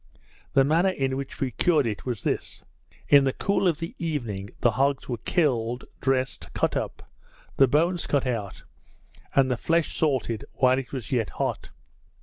The manner in which we cured it, was this: In the cool of the evening the hogs were killed, dressed, cut up, the bones cut out, and the flesh salted while it was yet hot.